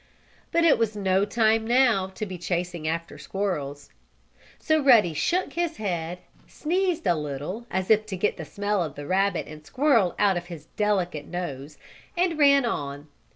But it was no time, now, to be chasing after squirrels. So Ruddy shook his head, sneezed a little as if to get the smell of the rabbit and squirrel out of his delicate nose and ran on.